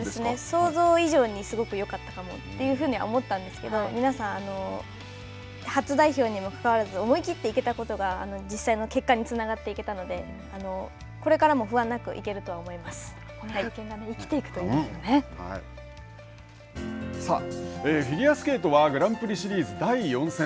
想像以上にすごくよかったかもというふうには思ったんですけど、皆さん、初代表にもかかわらず思い切って行けたことが実際の結果につながっていけたので、これからも不安なく行けるとは思いま経験が生きていくということでさあフィギュアスケートはグランプリシリーズ第４戦。